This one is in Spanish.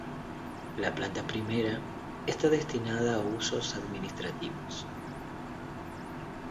La planta primera está destinada a usos administrativos.